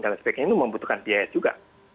dan sebagainya itu membutuhkan biaya juga